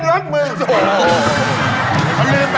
มีความรู้สึกว่า